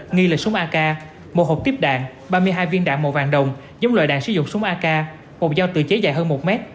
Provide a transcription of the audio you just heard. nghi là súng ak một hộp tiếp đạn ba mươi hai viên đạn màu vàng đồng giống loại đạn sử dụng súng ak một dao tự chế dài hơn một m